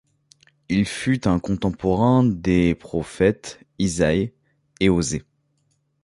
Il fut un contemporain des prophètes Isaïe et Osée.